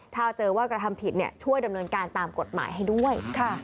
ถ้าเจอว่ากระทำผิดช่วยดำเนินการตามกฎหมายให้ด้วย